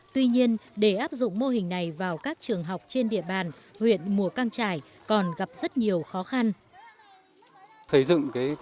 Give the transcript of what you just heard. tuy nhiên để áp dụng mô hình này vào các trường học trên địa bàn